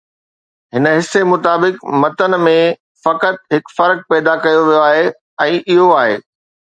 هن حصي مطابق متن ۾ فقط هڪ فرق بيان ڪيو ويو آهي ۽ اهو آهي